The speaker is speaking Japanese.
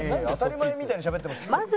「当たり前みたいにしゃべってますけど」